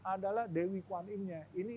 adalah dewi kwanimnya ini